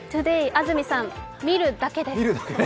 安住さん、見るだけです。